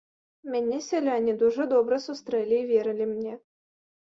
Мяне сяляне дужа добра сустрэлі і верылі мне.